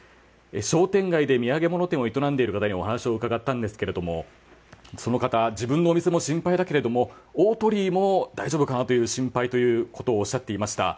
商店街で土産物店を営んでいる方にお話を伺ったんですがその方、自分のお店も心配だけど大鳥居も大丈夫か心配とおっしゃっていました。